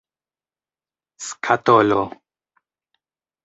skatolo